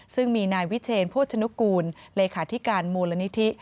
ซึ่งมีนายวิเชนโภชนุกูลเลขาธิการมูลนิธิ